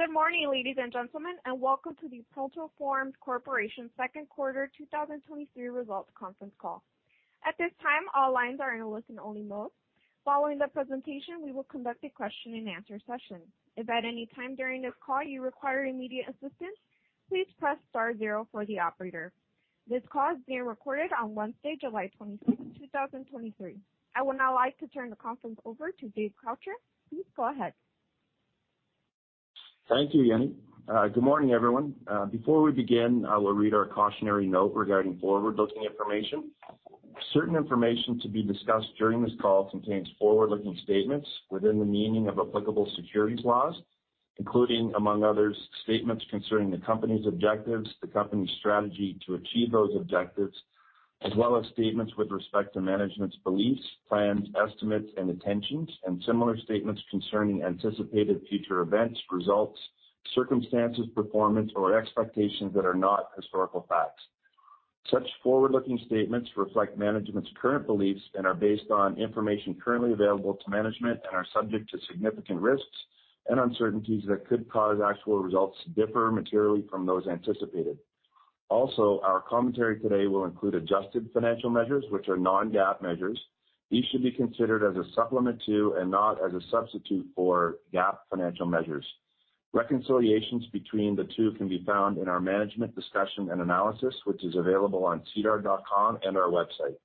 Good morning, ladies and gentlemen, and welcome to the ProntoForms Corporation Q2 2023 Results Conference Call. At this time, all lines are in a listen-only mode. Following the presentation, we will conduct a question-and-answer session. If at any time during this call you require immediate assistance, please press star zero for the operator. This call is being recorded on Wednesday, 27 July 2023. I would now like to turn the conference over to Dave Croucher. Please go ahead. Thank you, Jenny. Good morning, everyone. Before we begin, I will read our cautionary note regarding forward-looking information. Certain information to be discussed during this call contains forward-looking statements within the meaning of applicable securities laws, including, among others, statements concerning the company's objectives, the company's strategy to achieve those objectives, as well as statements with respect to management's beliefs, plans, estimates, and intentions, and similar statements concerning anticipated future events, results, circumstances, performance, or expectations that are not historical facts. Such forward-looking statements reflect management's current beliefs and are based on information currently available to management and are subject to significant risks and uncertainties that could cause actual results to differ materially from those anticipated. Our commentary today will include adjusted financial measures, which are non-GAAP measures. These should be considered as a supplement to and not as a substitute for GAAP financial measures. Reconciliations between the two can be found in our management discussion and analysis, which is available on SEDAR.com and our website.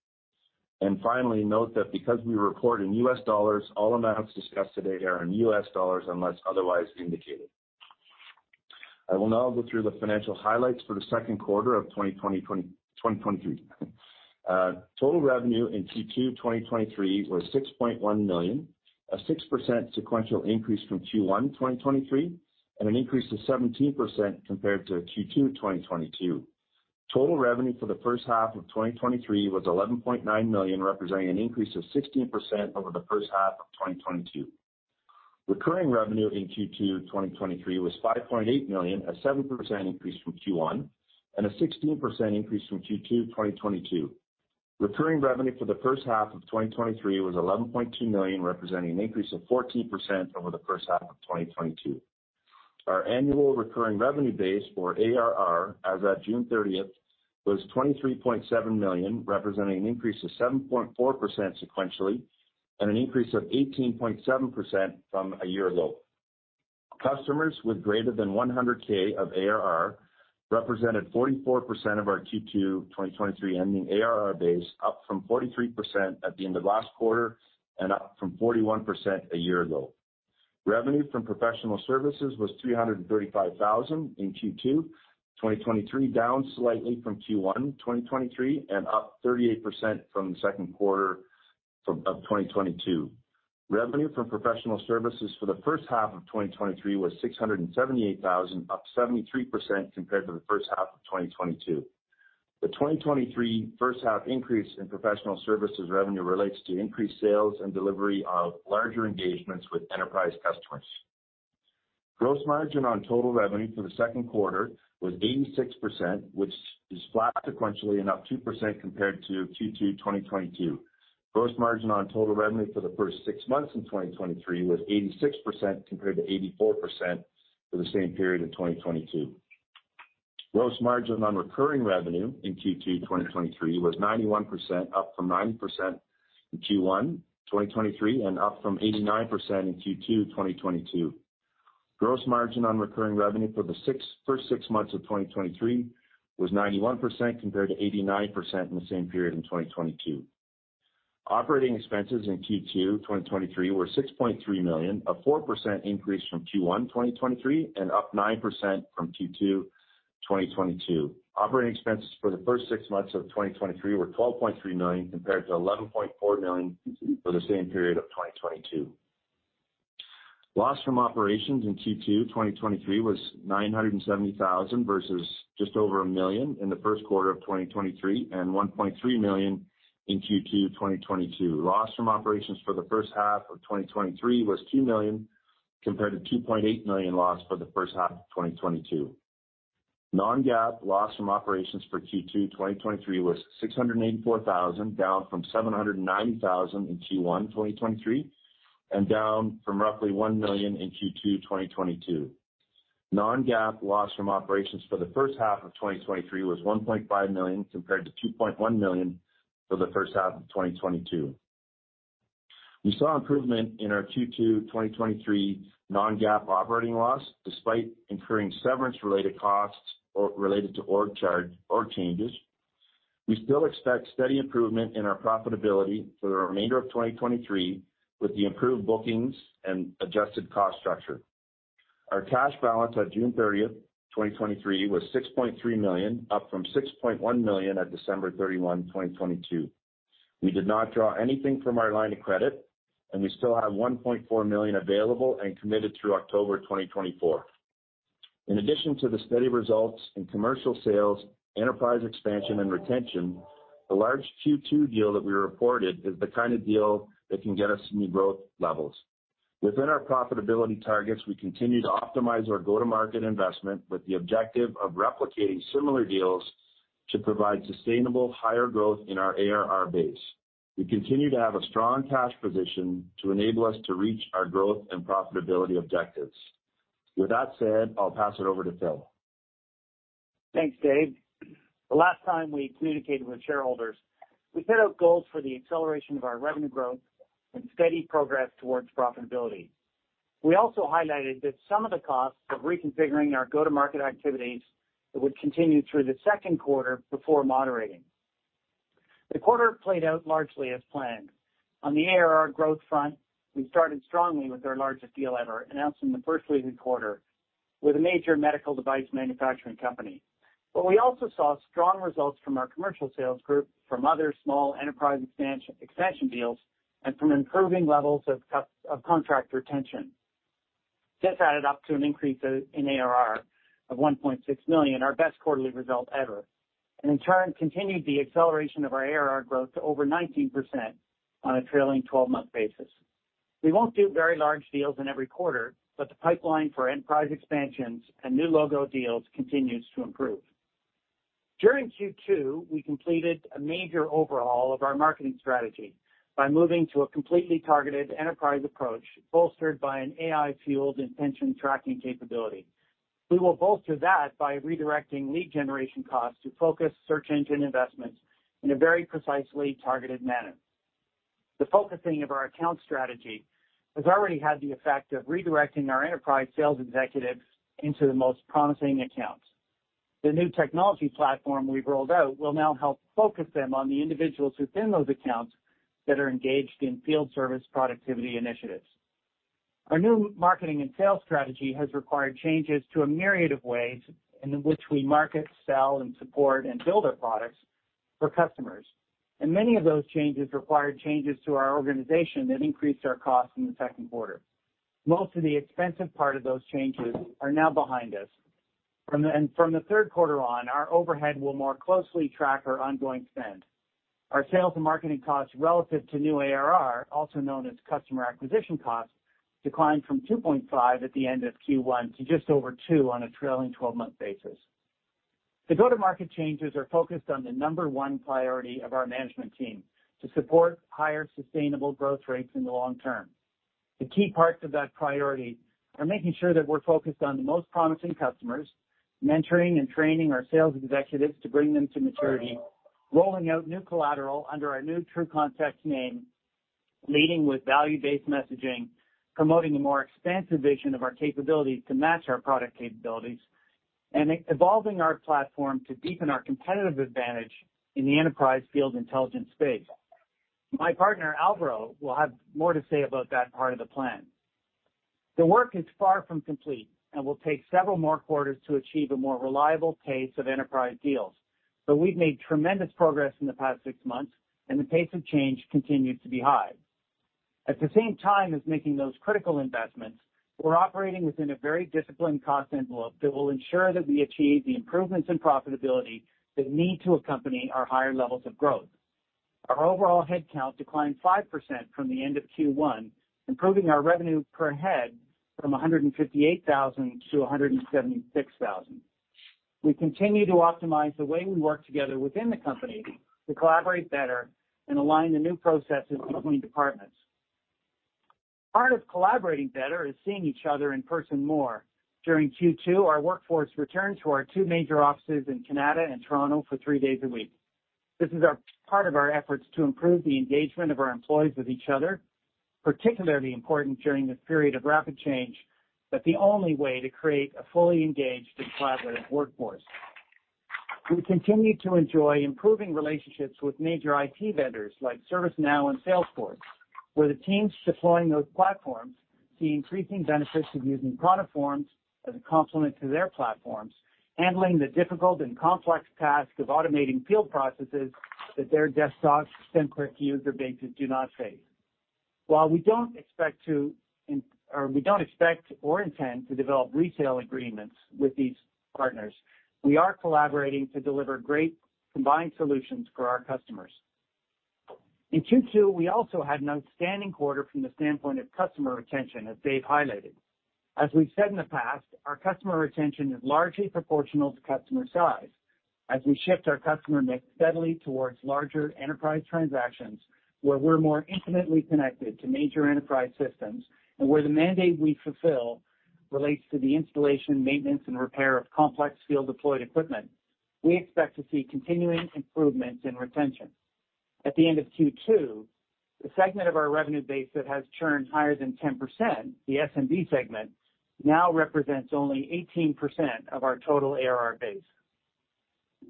Finally, note that because we report in U.S. dollars, all amounts discussed today are in U.S. dollars unless otherwise indicated. I will now go through the financial highlights for the Q2 of 2023. Total revenue in Q2 2023 was $6.1 million, a 6% sequential increase from Q1 2023, and an increase of 17% compared to Q2 2022. Total revenue for the H1 of 2023 was $11.9 million, representing an increase of 16% over the H1 of 2022. Recurring revenue in Q2 2023 was $5.8 million, a 7% increase from Q1 and a 16% increase from Q2 2022. Recurring revenue for the H1 of 2023 was $11.2 million, representing an increase of 14% over the H1 of 2022. Our annual recurring revenue base, or ARR, as at June 30th, was $23.7 million, representing an increase of 7.4% sequentially and an increase of 18.7% from a year ago. Customers with greater than $100,000 of ARR represented 44% of our Q2 2023 ending ARR base, up from 43% at the end of last quarter and up from 41% a year ago. Revenue from professional services was $335,000 in Q2 2023, down slightly from Q1 2023, and up 38% from the Q2 of 2022. Revenue from professional services for the H1 of 2023 was $678,000, up 73% compared to the H1 of 2022. The 2023 H1 increase in professional services revenue relates to increased sales and delivery of larger engagements with enterprise customers. Gross margin on total revenue for the Q2 was 86%, which is flat sequentially and up 2% compared to Q2 2022. Gross margin on total revenue for the first six months in 2023 was 86%, compared to 84% for the same period in 2022. Gross margin on recurring revenue in Q2 2023 was 91%, up from 90% in Q1 2023 and up from 89% in Q2 2022. Gross margin on recurring revenue for the first six months of 2023 was 91%, compared to 89% in the same period in 2022. Operating expenses in Q2 2023 were $6.3 million, a 4% increase from Q1 2023 and up 9% from Q2 2022. Operating expenses for the first six months of 2023 were $12.3 million, compared to $11.4 million for the same period of 2022. Loss from operations in Q2 2023 was $970,000 versus just over $1 million in the Q1 of 2023, and $1.3 million in Q2 2022. Loss from operations for the H1 of 2023 was $2 million, compared to $2.8 million loss for the H1 of 2022. Non-GAAP loss from operations for Q2 2023 was $684,000, down from $790,000 in Q1 2023, and down from roughly $1 million in Q2 2022. Non-GAAP loss from operations for the H1 of 2023 was $1.5 million, compared to $2.1 million for the H1 of 2022. We saw improvement in our Q2 2023 non-GAAP operating loss, despite incurring severance-related costs or related to org changes. We still expect steady improvement in our profitability for the remainder of 2023, with the improved bookings and adjusted cost structure. Our cash balance on 30th June 2023, was $6.3 million, up from $6.1 million at 31 December 2022. We did not draw anything from our line of credit, and we still have $1.4 million available and committed through October 2024. In addition to the steady results in commercial sales, enterprise expansion, and retention, the large Q2 deal that we reported is the kind of deal that can get us new growth levels. Within our profitability targets, we continue to optimize our go-to-market investment with the objective of replicating similar deals to provide sustainable higher growth in our ARR base. We continue to have a strong cash position to enable us to reach our growth and profitability objectives. With that said, I'll pass it over to Phil. Thanks, Dave. The last time we communicated with shareholders, we set out goals for the acceleration of our revenue growth and steady progress towards profitability. We also highlighted that some of the costs of reconfiguring our go-to-market activities would continue through the Q2 before moderating. The quarter played out largely as planned. On the ARR growth front, we started strongly with our largest deal ever, announced in the first week of the quarter, with a major medical device manufacturing company. We also saw strong results from our commercial sales group, from other small enterprise expansion deals, and from improving levels of contract retention. This added up to an increase in ARR of $1.6 million, our best quarterly result ever, and in turn, continued the acceleration of our ARR growth to over 19% on a trailing 12-month basis. We won't do very large deals in every quarter. The pipeline for enterprise expansions and new logo deals continues to improve. During Q2, we completed a major overhaul of our marketing strategy by moving to a completely targeted enterprise approach, bolstered by an AI-fueled intention tracking capability. We will bolster that by redirecting lead generation costs to focus search engine investments in a very precisely targeted manner. The focusing of our account strategy has already had the effect of redirecting our enterprise sales executives into the most promising accounts. The new technology platform we've rolled out will now help focus them on the individuals within those accounts that are engaged in field service productivity initiatives. Our new marketing and sales strategy has required changes to a myriad of ways in which we market, sell, and support, and build our products for customers. Many of those changes required changes to our organization that increased our costs in the Q2. Most of the expensive part of those changes are now behind us. From the Q3 on, our overhead will more closely track our ongoing spend. Our sales and marketing costs relative to new ARR, also known as customer acquisition costs, declined from $2.5 million at the end of Q1 to just over $2 million on a trailing 12-month basis. The go-to-market changes are focused on the number one priority of our management team, to support higher sustainable growth rates in the long term. The key parts of that priority are making sure that we're focused on the most promising customers, mentoring and training our sales executives to bring them to maturity, rolling out new collateral under our new TrueContext name, leading with value-based messaging, promoting a more expansive vision of our capabilities to match our product capabilities, and evolving our platform to deepen our competitive advantage in the enterprise field intelligence space. My partner, Alvaro, will have more to say about that part of the plan. The work is far from complete and will take several more quarters to achieve a more reliable pace of enterprise deals. We've made tremendous progress in the past six months, and the pace of change continues to be high. At the same time as making those critical investments, we're operating within a very disciplined cost envelope that will ensure that we achieve the improvements in profitability that need to accompany our higher levels of growth. Our overall headcount declined 5% from the end of Q1, improving our revenue per head from $158,000-$176,000. We continue to optimize the way we work together within the company to collaborate better and align the new processes between departments. Part of collaborating better is seeing each other in person more. During Q2, our workforce returned to our two major offices in Canada and Toronto for three days a week. This is part of our efforts to improve the engagement of our employees with each other, particularly important during this period of rapid change, the only way to create a fully engaged and collaborative workforce. We continue to enjoy improving relationships with major IT vendors like ServiceNow and Salesforce, where the teams deploying those platforms see increasing benefits of using ProntoForms as a complement to their platforms, handling the difficult and complex task of automating field processes that their desktop-centric user bases do not face. While we don't expect or intend to develop resale agreements with these partners, we are collaborating to deliver great combined solutions for our customers. In Q2, we also had an outstanding quarter from the standpoint of customer retention, as Dave highlighted. As we've said in the past, our customer retention is largely proportional to customer size. As we shift our customer mix steadily towards larger enterprise transactions, where we're more intimately connected to major enterprise systems, and where the mandate we fulfill relates to the installation, maintenance, and repair of complex field-deployed equipment, we expect to see continuing improvements in retention. At the end of Q2, the segment of our revenue base that has churned higher than 10%, the SMB segment, now represents only 18% of our total ARR base.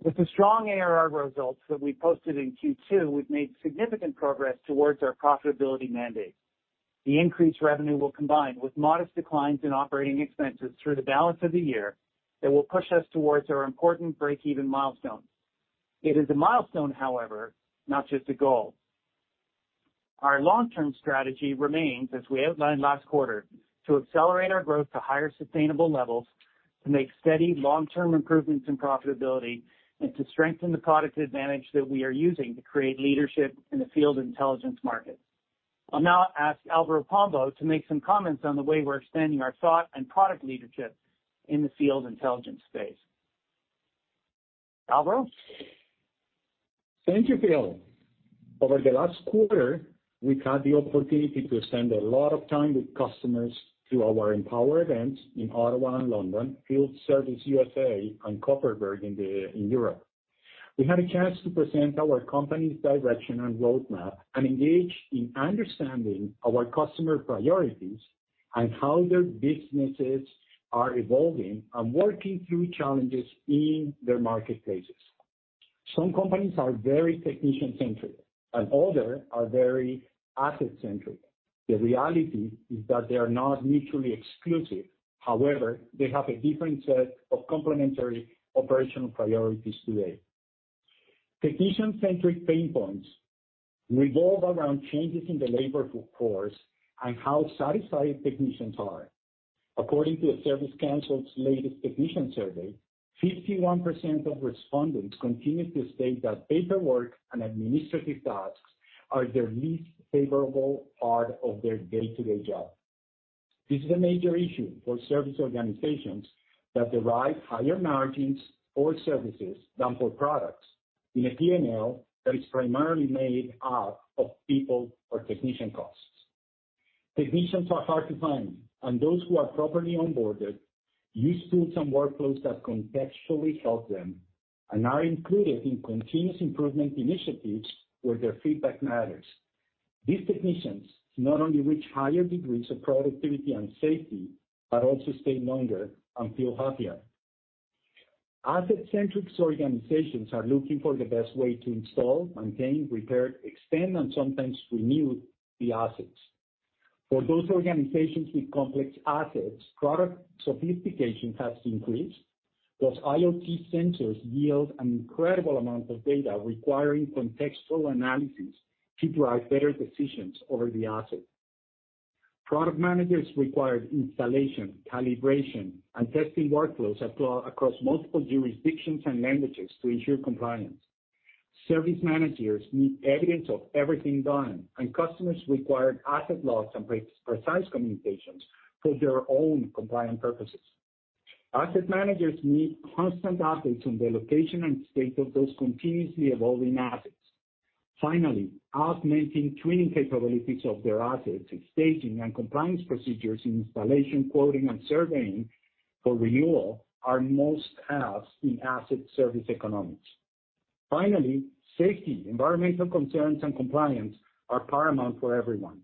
With the strong ARR results that we posted in Q2, we've made significant progress towards our profitability mandate. The increased revenue will combine with modest declines in operating expenses through the balance of the year that will push us towards our important breakeven milestones. It is a milestone, however, not just a goal. Our long-term strategy remains, as we outlined last quarter, to accelerate our growth to higher sustainable levels, to make steady long-term improvements in profitability, and to strengthen the product advantage that we are using to create leadership in the field intelligence market. I'll now ask Alvaro Pombo to make some comments on the way we're extending our thought and product leadership in the field intelligence space. Alvaro? Thank you, Phil. Over the last quarter, we've had the opportunity to spend a lot of time with customers through our EMPOWER events in Ottawa and London, Field Service USA, and Copperberg in Europe. We had a chance to present our company's direction and roadmap, engage in understanding our customer priorities and how their businesses are evolving and working through challenges in their marketplaces. Some companies are very technician-centric, others are very asset-centric. The reality is that they are not mutually exclusive. However, they have a different set of complementary operational priorities today. Technician-centric pain points revolve around changes in the labor force and how satisfied technicians are. According to the Service Council's latest technician survey, 51% of respondents continue to state that paperwork and administrative tasks are their least favorable part of their day-to-day job. This is a major issue for service organizations that derive higher margins for services than for products in a PNL that is primarily made up of people or technician costs. Technicians are hard to find, and those who are properly onboarded use tools and workflows that contextually help them and are included in continuous improvement initiatives where their feedback matters. These technicians not only reach higher degrees of productivity and safety, but also stay longer and feel happier. Asset-centric organizations are looking for the best way to install, maintain, repair, extend, and sometimes renew the assets. For those organizations with complex assets, product sophistication has increased. Those IoT sensors yield an incredible amount of data, requiring contextual analysis to drive better decisions over the asset. Product managers require installation, calibration, and testing workflows across multiple jurisdictions and languages to ensure compliance. Service managers need evidence of everything done, customers require asset logs and precise communications for their own compliance purposes. Asset managers need constant updates on the location and state of those continuously evolving assets. Finally, augmenting training capabilities of their assets, staging and compliance procedures in installation, quoting, and surveying for renewal are must-haves in asset service economics. Finally, safety, environmental concerns, and compliance are paramount for everyone.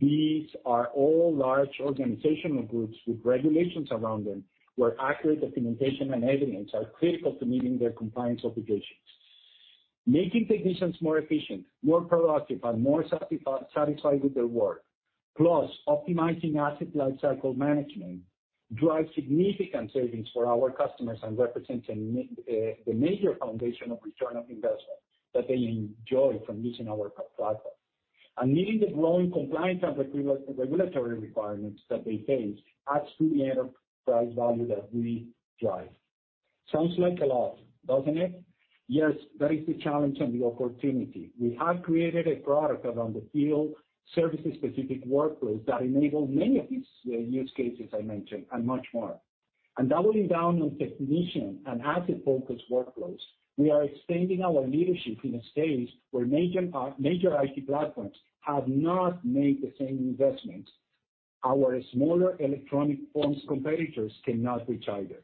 These are all large organizational groups with regulations around them, where accurate documentation and evidence are critical to meeting their compliance obligations. Making technicians more efficient, more productive, and more satisfied with their work, plus optimizing asset lifecycle management, drives significant savings for our customers and represents the major foundation of return on investment that they enjoy from using our platform. Meeting the growing compliance and regulatory requirements that they face adds to the enterprise value that we drive. Sounds like a lot, doesn't it? Yes, that is the challenge and the opportunity. We have created a product around the field service-specific workflows that enable many of these use cases I mentioned, and much more. Doubling down on technician and asset-focused workflows, we are extending our leadership in a space where major IT platforms have not made the same investments. Our smaller electronic forms competitors cannot reach either.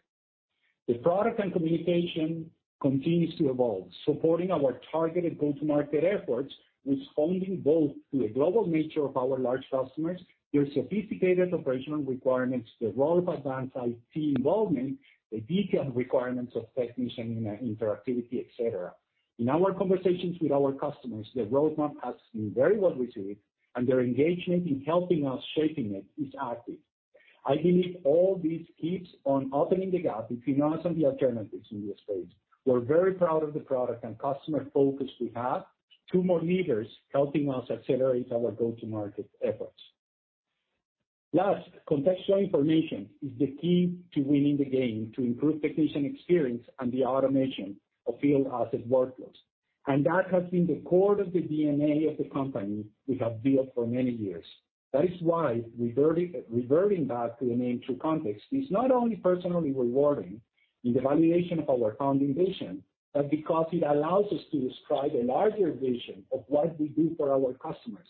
The product and communication continues to evolve, supporting our targeted go-to-market efforts, responding both to the global nature of our large customers, their sophisticated operational requirements, the role of advanced IT involvement, the detailed requirements of technician interactivity, et cetera. In our conversations with our customers, the roadmap has been very well received, and their engagement in helping us shaping it is active. I believe all this keeps on opening the gap between us and the alternatives in this space. We're very proud of the product and customer focus we have, two more leaders helping us accelerate our go-to-market efforts. Last, contextual information is the key to winning the game, to improve technician experience and the automation of field asset workflows, and that has been the core of the DNA of the company we have built for many years. That is why reverting back to the name TrueContext is not only personally rewarding in the validation of our founding vision, but because it allows us to describe a larger vision of what we do for our customers,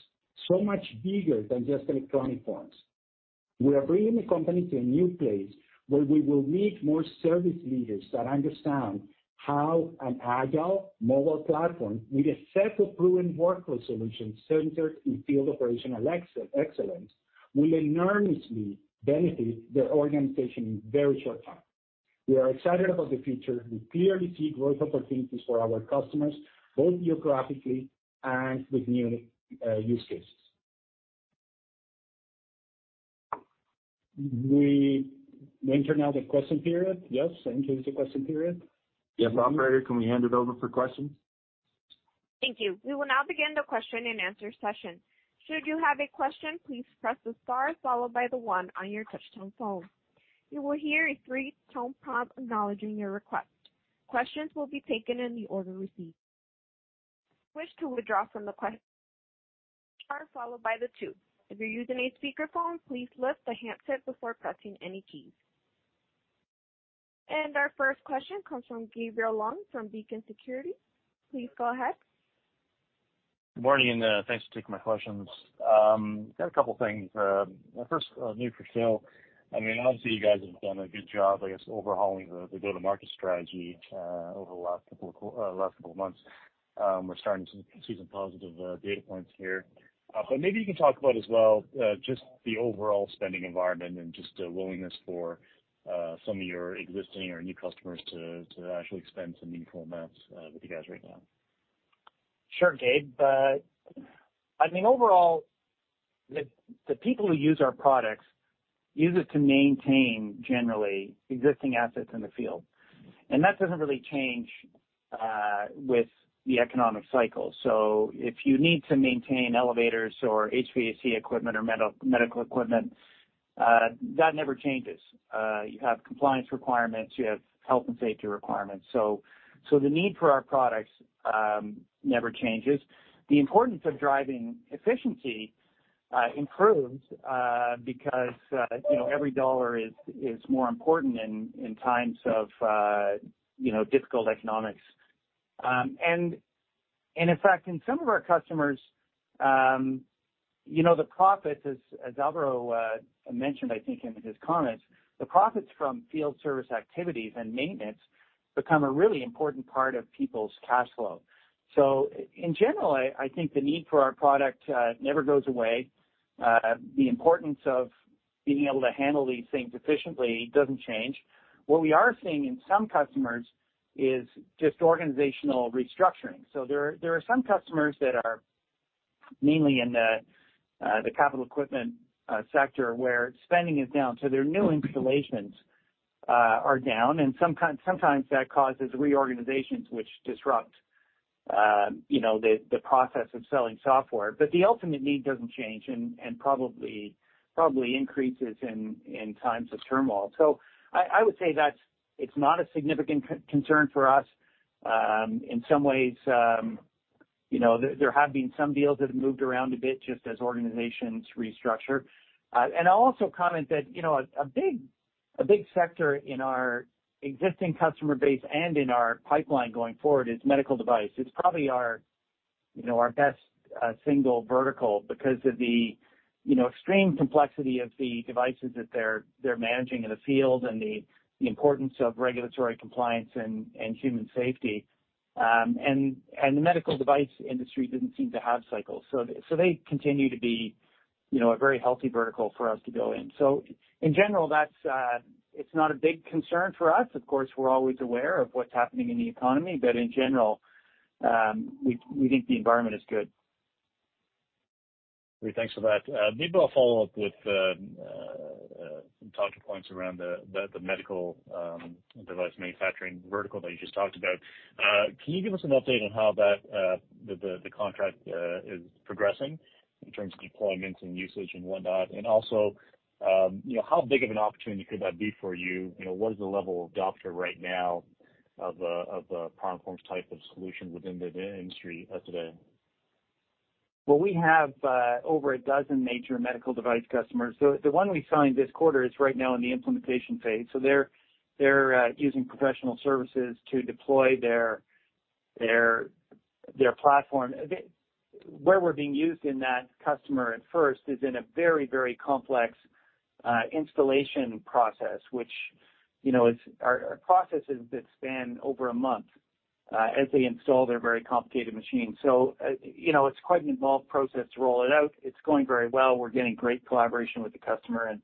so much bigger than just electronic forms. We are bringing the company to a new place where we will meet more service leaders that understand how an agile mobile platform, with a set of proven workload solutions centered in field operational excellence, will enormously benefit their organization in a very short time. We are excited about the future. We clearly see growth opportunities for our customers, both geographically and with new use cases. We enter now the question period. Yes, enter the question period? Yes, operator, can we hand it over for questions? Thank you. We will now begin the question-and-answer session. Should you have a question, please press the star followed by the one on your touchtone phone. You will hear a three-tone prompt acknowledging your request. Questions will be taken in the order received. Wish to withdraw from the question, star followed by two. If you're using a speakerphone, please lift the handset before pressing any keys. Our first question comes from Gabriel Leung from Beacon Securities. Please go ahead. Good morning, and thanks for taking my questions. Got a couple things. First, new for sale. I mean, obviously, you guys have done a good job, I guess, overhauling the go-to-market strategy over the last couple of months. We're starting to see some positive data points here. Maybe you can talk about as well, just the overall spending environment and just the willingness for some of your existing or new customers to actually spend some meaningful amounts with you guys right now. Sure, Gabe. Overall, the people who use our products use it to maintain generally existing assets in the field, and that doesn't really change with the economic cycle. If you need to maintain elevators or HVAC equipment or medical equipment, that never changes. You have compliance requirements, you have health and safety requirements. The need for our products never changes. The importance of driving efficiency improves because, you know, every dollar is more important in times of, you know, difficult economics. In fact, in some of our customers, you know, the profits, as Alvaro mentioned, I think in his comments, the profits from field service activities and maintenance become a really important part of people's cash flow. In general, I think the need for our product never goes away. The importance of being able to handle these things efficiently doesn't change. What we are seeing in some customers is just organizational restructuring. There are some customers that are mainly in the capital equipment sector, where spending is down, so their new installations are down, and sometimes that causes reorganizations which disrupt, you know, the process of selling software. The ultimate need doesn't change and probably increases in times of turmoil. I would say that's, it's not a significant concern for us. In some ways, you know, there have been some deals that have moved around a bit, just as organizations restructure. I'll also comment that, you know, a big sector in our existing customer base and in our pipeline going forward is medical device. It's probably our, you know, our best single vertical because of the, you know, extreme complexity of the devices that they're managing in the field, and the importance of regulatory compliance and human safety. The medical device industry doesn't seem to have cycles, so they continue to be, you know, a very healthy vertical for us to go in. In general, that's it's not a big concern for us. Of course, we're always aware of what's happening in the economy, but in general, we think the environment is good. Great, thanks for that. Maybe I'll follow up with some talking points around the medical device manufacturing vertical that you just talked about. Can you give us an update on how that the contract is progressing in terms of deployments and usage and whatnot? Also, you know, how big of an opportunity could that be for you? You know, what is the level of adoption right now of ProntoForms type of solution within the industry today? Well, we have over a dozen major medical device customers. The one we signed this quarter is right now in the implementation phase. They're using professional services to deploy their platform. Where we're being used in that customer at first is in a very, very complex installation process, which, you know, are processes that span over a month as they install their very complicated machine. You know, it's quite an involved process to roll it out. It's going very well. We're getting great collaboration with the customer,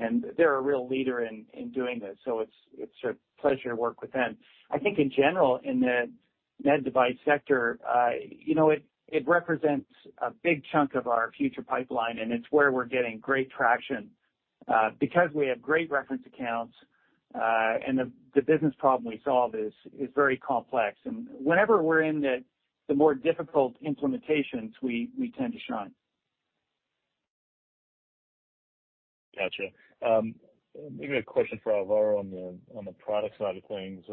and they're a real leader in doing this, so it's a pleasure to work with them. I think in general, in the med device sector, you know, it represents a big chunk of our future pipeline, and it's where we're getting great traction, because we have great reference accounts, and the business problem we solve is very complex. Whenever we're in the more difficult implementations, we tend to shine. Gotcha. Maybe a question for Alvaro on the product side of things.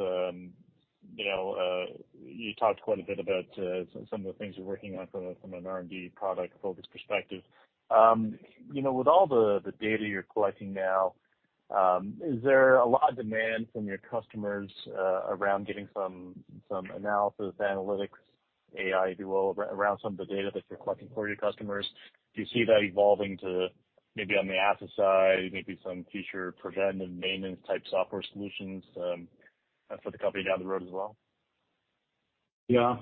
You know, you talked quite a bit about some of the things you're working on from an R&D product focus perspective. You know, with all the data you're collecting now, is there a lot of demand from your customers around getting some analysis, analytics, AI do all, around some of the data that you're collecting for your customers? Do you see that evolving to maybe on the asset side, maybe some future preventive maintenance type software solutions for the company down the road as well? Yeah,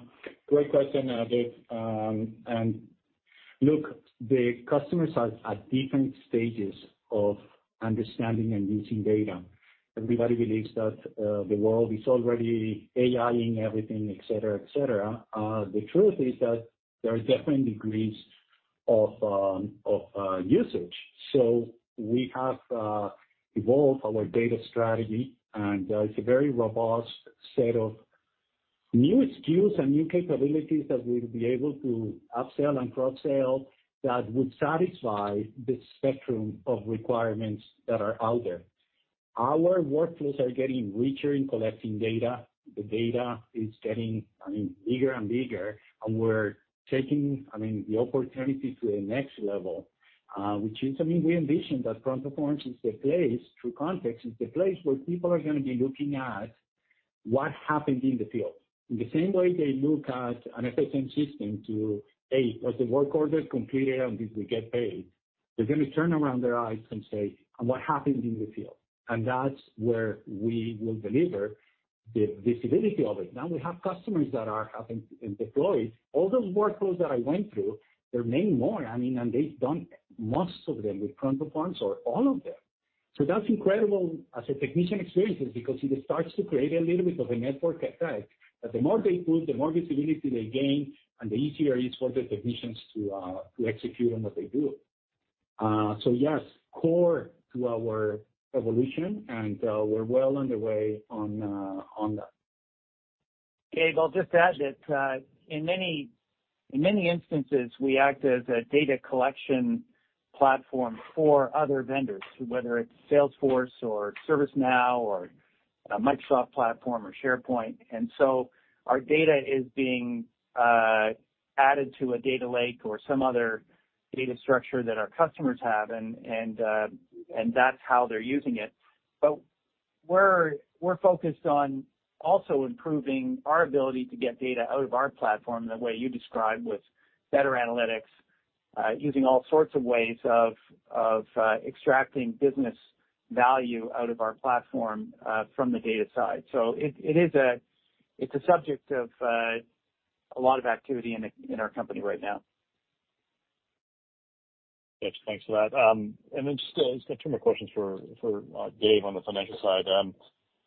great question, Gabe. Look, the customers are at different stages of understanding and using data. Everybody believes that the world is already AI-ing everything, et cetera, et cetera. The truth is that there are different degrees of usage. We have evolved our data strategy, it's a very robust set of new skills and new capabilities that we'll be able to upsell and cross-sell that would satisfy the spectrum of requirements that are out there. Our workflows are getting richer in collecting data. The data is getting, I mean, bigger and bigger, we're taking, I mean, the opportunity to the next level, which is, I mean, we envision that ProntoForms is the place, TrueContext is the place where people are gonna be looking at what happened in the field. In the same way they look at an FSM system to, A, was the work order completed, and did we get paid? They're gonna turn around their eyes and say, And what happened in the field? That's where we will deliver the stability of it. We have customers that have been deployed. All those workflows that I went through, there are many more, I mean, and they've done most of them with ProntoForms or all of them. That's incredible as a technician experiences, because it starts to create a little bit of a network effect, that the more they include, the more visibility they gain, and the easier it is for the technicians to execute on what they do. Yes, core to our evolution, and we're well underway on that. Dave, I'll just add that in many, in many instances, we act as a data collection platform for other vendors, whether it's Salesforce or ServiceNow or a Microsoft platform or SharePoint. Our data is being added to a data lake or some other data structure that our customers have, and that's how they're using it. We're focused on also improving our ability to get data out of our platform the way you described, with better analytics, using all sorts of ways of extracting business value out of our platform from the data side. It's a subject of a lot of activity in our company right now. Thanks for that. Just a term of questions for Dave, on the financial side.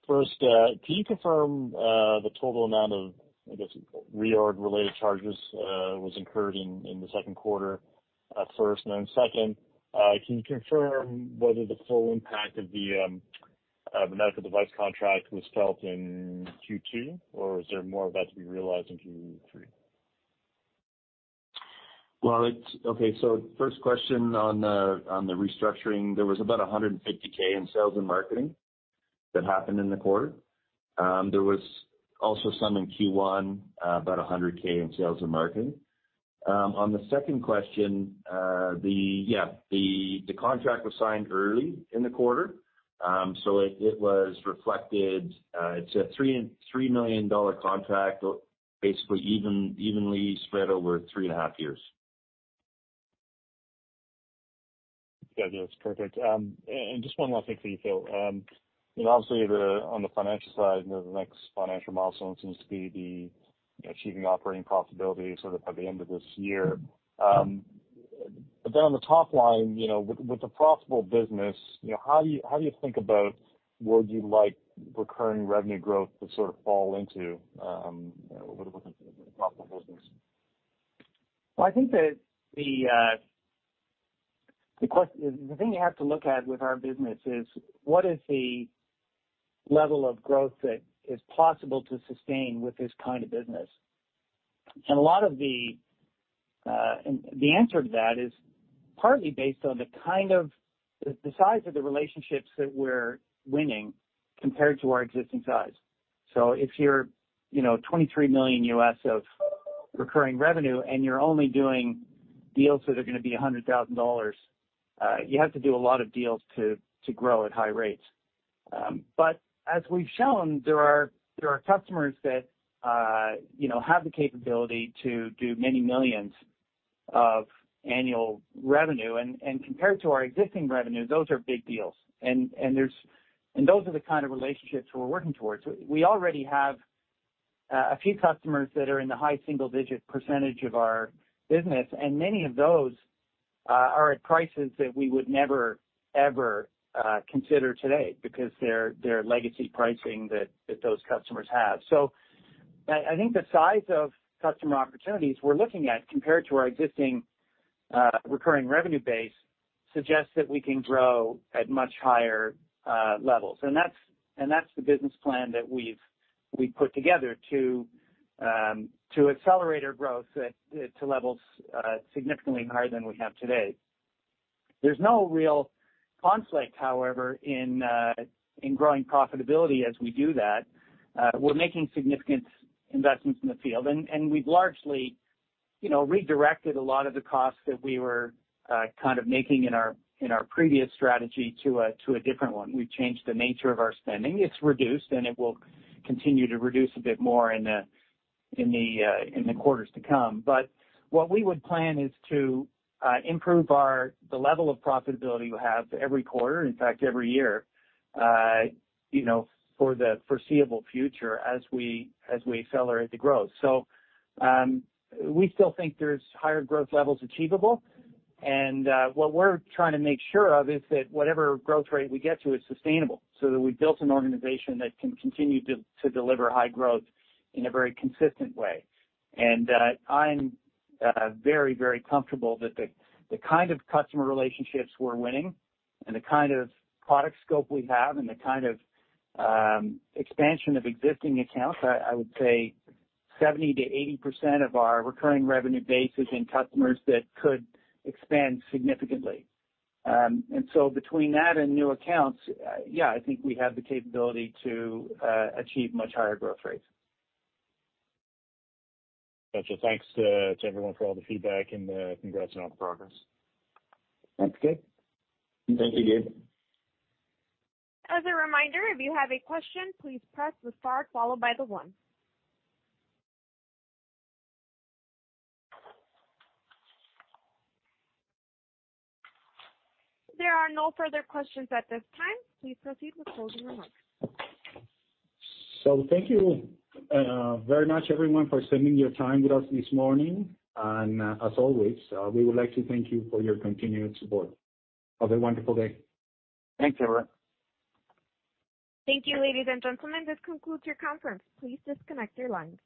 First, can you confirm the total amount of, I guess, reorg-related charges was incurred in the Q2 at first? Second, can you confirm whether the full impact of the medical device contract was felt in Q2, or is there more about to be realized in Q3? Well, okay, first question on the restructuring. There was about $150,000 in sales and marketing that happened in the quarter. There was also some in Q1, about $100,000 in sales and marketing. On the second question, the contract was signed early in the quarter. It was reflected, it's a $3 million contract, basically evenly spread over three and a half years. Yeah, yeah, that's perfect. Just one last thing for you, Phil. You know, obviously the, on the financial side, the next financial milestone seems to be the, achieving operating profitability sort of by the end of this year. On the top line, you know, with the profitable business, you know, how do you think about would you like recurring revenue growth to sort of fall into with a profitable business? Well, I think that the thing you have to look at with our business is what is the level of growth that is possible to sustain with this kind of business? A lot of the, and the answer to that is partly based on the kind of the size of the relationships that we're winning compared to our existing size. If you're, you know, $23 million of recurring revenue and you're only doing deals that are gonna be $100,000, you have to do a lot of deals to grow at high rates. As we've shown, there are customers that, you know, have the capability to do many millions of annual revenue, and compared to our existing revenue, those are big deals. There's, and those are the kind of relationships we're working towards. We already have a few customers that are in the high single-digit percentage of our business, and many of those are at prices that we would never, ever consider today, because they're legacy pricing that those customers have. I think the size of customer opportunities we're looking at, compared to our existing recurring revenue base, suggests that we can grow at much higher levels. That's the business plan that we've put together to accelerate our growth at levels significantly higher than we have today. There's no real conflict, however, in growing profitability as we do that. We're making significant investments in the field, and we've largely, you know, redirected a lot of the costs that we were kind of making in our, in our previous strategy to a, to a different one. We've changed the nature of our spending. It's reduced, and it will continue to reduce a bit more in the, in the quarters to come. What we would plan is to improve our, the level of profitability we have every quarter, in fact, every year, you know, for the foreseeable future as we accelerate the growth. We still think there's higher growth levels achievable, and what we're trying to make sure of is that whatever growth rate we get to is sustainable, so that we've built an organization that can continue to deliver high growth in a very consistent way. I'm very, very comfortable that the kind of customer relationships we're winning and the kind of product scope we have, and the kind of expansion of existing accounts, I would say 70%-80% of our recurring revenue base is in customers that could expand significantly. Between that and new accounts, yeah, I think we have the capability to achieve much higher growth rates. Gotcha. Thanks, to everyone for all the feedback. Congrats on all the progress. Thanks, Gabe. Thank you, Gabe. As a reminder, if you have a question, please press the star followed by the one. There are no further questions at this time. Please proceed with closing remarks. Thank you, very much everyone for spending your time with us this morning. As always, we would like to thank you for your continued support. Have a wonderful day. Thanks, everyone. Thank you, ladies and gentlemen. This concludes your conference. Please disconnect your lines.